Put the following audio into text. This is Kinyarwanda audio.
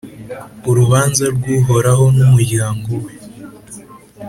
urubanza rw’uhoraho n’umuryango we